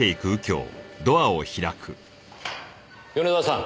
米沢さん